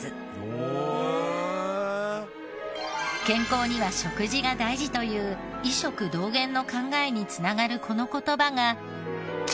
健康には食事が大事という医食同源の考えに繋がるこの言葉が。